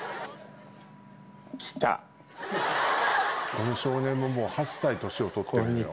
この少年ももう８歳年を取ってるのよ。